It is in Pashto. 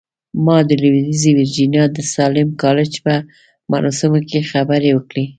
ما د لويديځې ويرجينيا د ساليم کالج په مراسمو کې خبرې وکړې.